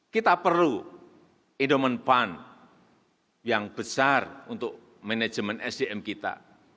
kita perlu endowment fund yang besar untuk manajemen sdm kita